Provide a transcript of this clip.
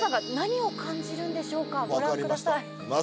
ご覧ください。